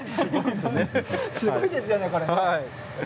すごいですよね。